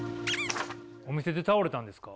お店で倒れたんですか？